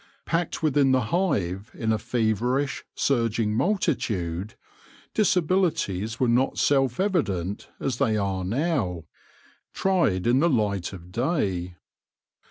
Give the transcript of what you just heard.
Packed within the hive in a feverish, surging multitude, disabilities were not self evident as they are now, tried in the light of day.